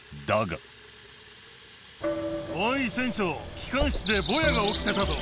おい船長、機関室でぼやが起きてたぞ。